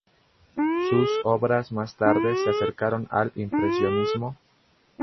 Sus obras más tarde se acercaron al Impresionismo.